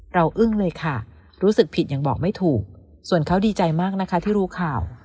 อึ้งเลยค่ะรู้สึกผิดยังบอกไม่ถูกส่วนเขาดีใจมากนะคะที่รู้ข่าว